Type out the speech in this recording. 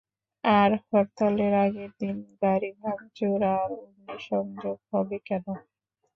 আর হরতালের আগের দিন গাড়ি ভাঙচুর আর অগ্নিসংযোগ হবে কেন?